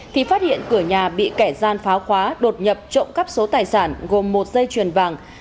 thì phát hiện cửa nhà bị kẻ gian phá khóa đột nhập trộm cắp số tài sản gồm một dây chuyền vàng